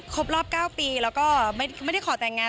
ครบรอบ๙ปีแล้วก็ไม่ได้ขอแต่งงาน